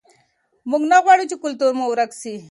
موږ نه غواړو چې کلتور مو ورک سي.